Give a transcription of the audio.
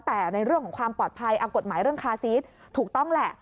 แต่ในเรื่องของความปลอดภัยกฎหมายเรื่องคาซีสถูกต้องแหละ